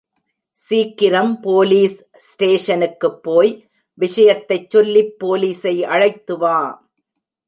சீக்கிரம் போலீஸ் ஸ்டேஷனுக்குப் போய் விஷயத்தைச் சொல்லிப் போலீசை அழைத்துவா?